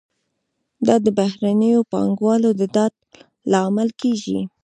دا د بهرنیو پانګوالو د ډاډ لامل کیږي.